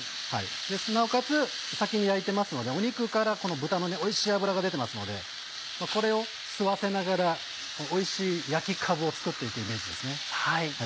なおかつ先に焼いてますので肉から豚のおいしい脂が出てますのでこれを吸わせながらおいしい焼きかぶを作って行くイメージですね。